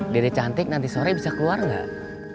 dede cantik nanti sore bisa keluar gak